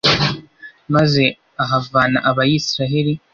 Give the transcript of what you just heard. maze ahavana abayisraheli